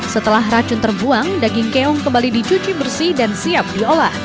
setelah racun terbuang daging keong kembali dicuci bersih dan siap diolah